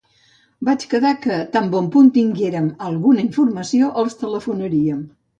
Vaig quedar que tan bon punt tinguérem alguna informació, ens telefonaríem.